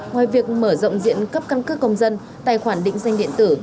ngoài việc mở rộng diện cấp căn cước công dân tài khoản định danh điện tử